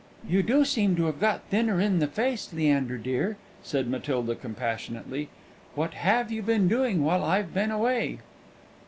"You do seem to have got thinner in the face, Leander dear," said Matilda, compassionately. "What have you been doing while I've been away?"